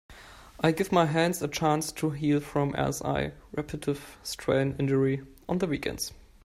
I give my hands a chance to heal from RSI (Repetitive Strain Injury) on the weekends.